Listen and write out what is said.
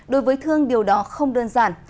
đối với thương điều đó không đơn giản